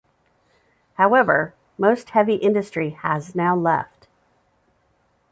However, most heavy industry has now left.